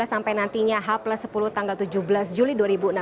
sampai nantinya h sepuluh tanggal tujuh belas juli dua ribu enam belas